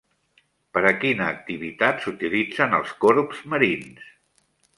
Per a quina activitat s'utilitzen els corbs marins?